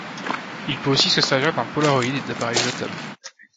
Il peut aussi se servir d'un Polaroid et d'appareils jetables.